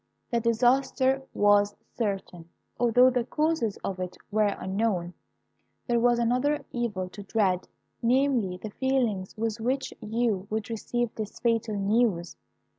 "The disaster was certain, although the causes of it were unknown. There was another evil to dread; namely, the feelings with which you would receive this fatal news.